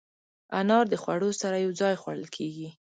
انار د خوړو سره یو ځای خوړل کېږي.